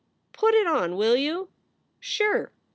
" Put it on, will you." "Sure